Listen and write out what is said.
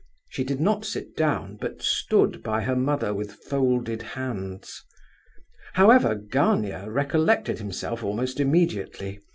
She did not sit down, but stood by her mother with folded hands. However, Gania recollected himself almost immediately.